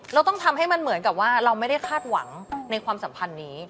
เราต้องทำให้มันเหมือนกับว่าเราไม่ได้คาดหวังในความสัมพันธ์นี้